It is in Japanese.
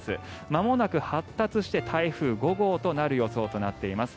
まもなく発達して台風５号となる予想となっています。